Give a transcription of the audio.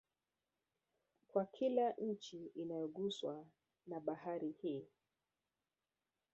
Kwa kila nchi inayoguswa na Bahari hii